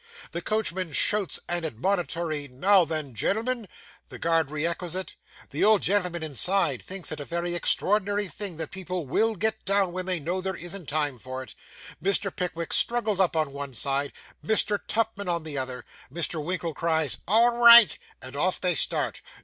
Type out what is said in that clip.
The coachman shouts an admonitory 'Now then, gen'l'm'n,' the guard re echoes it; the old gentleman inside thinks it a very extraordinary thing that people _will _get down when they know there isn't time for it; Mr. Pickwick struggles up on one side, Mr. Tupman on the other; Mr. Winkle cries 'All right'; and off they start.